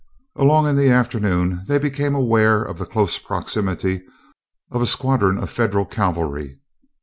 Along in the afternoon they became aware of the close proximity of a squadron of Federal cavalry.